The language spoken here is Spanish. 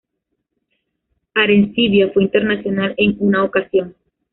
Arencibia fue internacional en una ocasión.